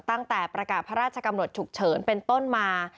ตั้งแต่ประกาศพระราชกำหนดฉุกเฉินเป็นต้นมา